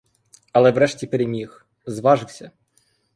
Але врешті переміг, зважився.